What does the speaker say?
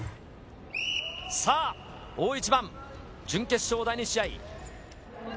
さあ、大一番、準決勝第２試合。